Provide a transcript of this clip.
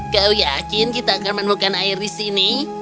kau yakin kita akan menemukan air di sini